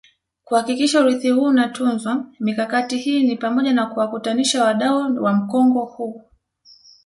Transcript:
kuhakikisha urithi huu unatunzwa Mikakati hii ni pamoja na kuwakutanisha wadau wa mkongo huu